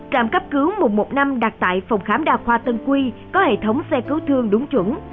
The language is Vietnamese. trạm cấp cứu một trăm một mươi năm đặt tại phòng khám đa khoa tân quy có hệ thống xe cứu thương đúng chuẩn